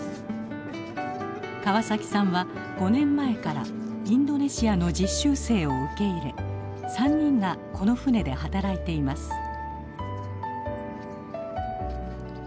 川崎さんは５年前からインドネシアの実習生を受け入れ３人がこの船で働いています。